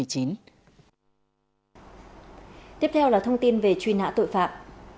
tiếp theo là thông tin về truy nã tội phạm